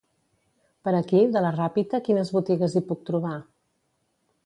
Per aquí, de la Ràpita, quines botigues hi puc trobar?